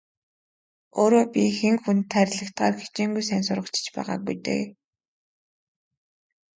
Өөрөө би хэн хүнд хайрлагдахаар хичээнгүй сайн сурагч ч байгаагүй дээ.